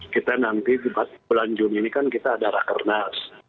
kita nanti bulan juni ini kan kita ada rakernas